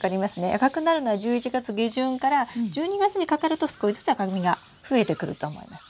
赤くなるのは１１月下旬から１２月にかかると少しずつ赤みが増えてくると思います。